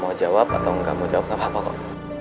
mau jawab atau gak mau jawab gak apa apa kok